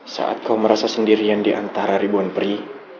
saat kau merasa sendirian diantara ribuan pri